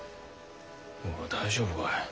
おい大丈夫かい。